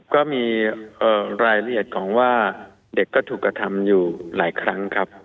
ก็มีรายละเอียดของว่าเด็กก็ถูกกระทำอยู่หลายครั้งครับ